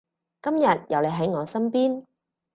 今日有你喺我身邊